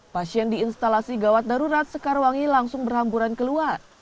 pasien di instalasi gawat darurat sekarwangi langsung berhamburan keluar